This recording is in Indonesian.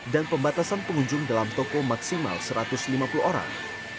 pembatasan pengunjung dalam toko maksimal satu ratus lima puluh orang